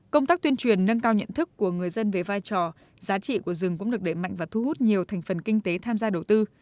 công tác tuyên truyền nâng cao nhận thức của người dân về vai trò giá trị của rừng cũng được để mạnh và thu hút nhiều thành phần kinh tế tham gia đầu tư